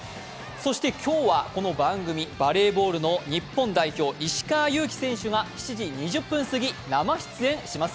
そして今日はこの番組、バレーボールの日本代表、石川祐希選手が７時２０分過ぎ、生出演します。